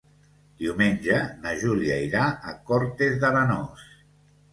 Diumenge na Júlia irà a Cortes d'Arenós.